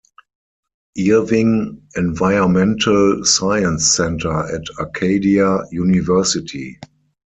Irving Environmental Science Centre at Acadia University.